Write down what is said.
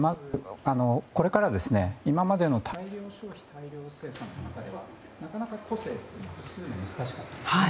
これから今までの大量消費大量生産の中ではなかなか個性を出すのが難しい。